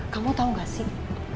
kamu tau gak sih